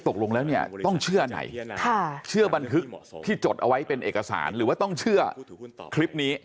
ตกลงแล้วเนี่ยต้องเชื่อไหนเชื่อบันทึกที่จดเอาไว้เป็นเอกสารหรือว่าต้องเชื่อคลิปนี้